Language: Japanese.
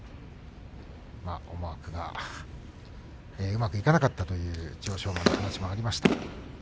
思惑がうまくいかなかったという千代翔馬の話もありました。